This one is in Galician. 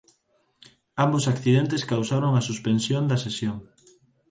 Ambos accidentes causaron a suspensión da sesión.